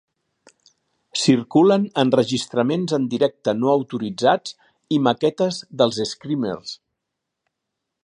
Circulen enregistraments en directe no autoritzats i maquetes dels Screamers.